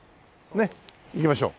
ねっ行きましょう。